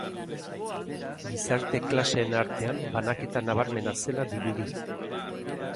Gizarte klaseen artean banaketa nabarmena zela dirudi.